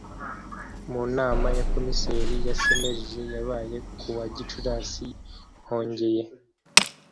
mu nama y abakomiseri ba cnlg yabaye kuwa gicurasi hongeye